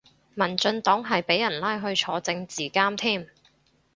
民進黨係俾人拉去坐政治監添